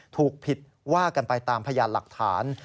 ถูกผิดว่ากันไปตามพยานหลักฐาน